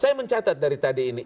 saya mencatat dari tadi ini